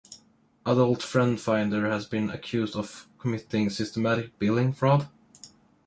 Adult FriendFinder has been accused of committing systematic billing fraud.